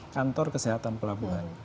kantor kesehatan pelabuhan